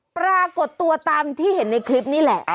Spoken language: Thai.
ปรากฏตัวตามที่เห็นในคลิปนี่แหละ